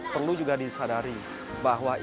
perlu juga disadari bahwa ini bukan karena kehendaknya